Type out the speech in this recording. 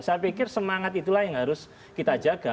saya pikir semangat itulah yang harus kita jaga